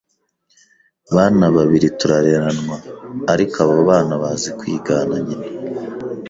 bana babiri turareranwa ariko abo bana baza kwigana nyina